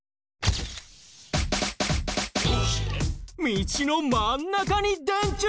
道の真ん中に電柱！？